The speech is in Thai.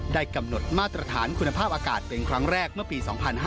กำหนดมาตรฐานคุณภาพอากาศเป็นครั้งแรกเมื่อปี๒๕๕๙